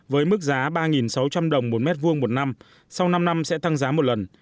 với mức giá ba sáu trăm linh đồng một mét vuông một năm sau năm năm sẽ tăng giá một lần